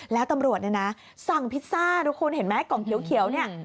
แล้วตำรวจเนี่ยนะสั่งพิซซ่าทุกคนเห็นไหมกล่องเขียวเนี่ย